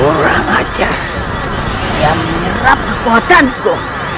orang aja yang merap kekuatanku